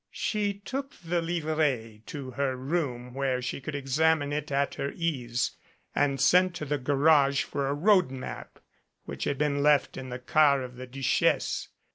She took the livret to her room where she could ex amine it at her ease and sent to the garage for a road map which had been left in the car of the Duchesse.